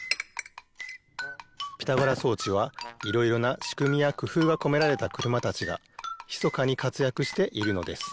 ピタゴラそうちはいろいろなしくみやくふうがこめられたくるまたちがひそかにかつやくしているのです。